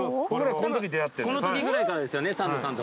この時ぐらいからですよねサンドさんとも。